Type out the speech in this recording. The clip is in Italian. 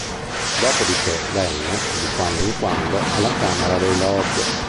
Dopodiché venne, di quando in quando, alla Camera dei Lord.